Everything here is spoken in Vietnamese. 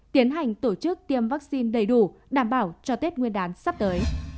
tiến hành tổ chức tiêm vaccine đầy đủ đảm bảo cho tết nguyên đán sắp tới